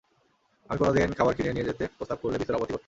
আমি কোনো দিন খাবার কিনে নিয়ে যেতে প্রস্তাব করলে বিস্তর আপত্তি করতেন।